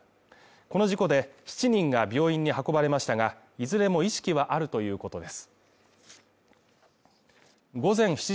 この事故で１人が病院に運ばれましたが、いずれも意識はあるということです。